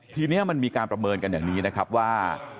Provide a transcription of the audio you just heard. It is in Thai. ทีนี้มันมีการประเมินกันอย่างนี้นะครับว่า